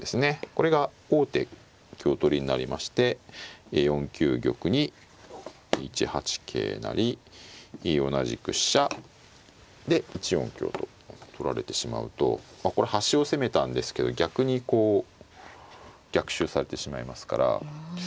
これが王手香取りになりまして４九玉に１八桂成同じく飛車で１四香と取られてしまうとこれ端を攻めたんですけど逆にこう逆襲されてしまいますから。